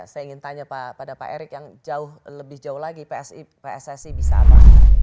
saya ingin tanya pada pak erick yang jauh lebih jauh lagi pssi bisa apa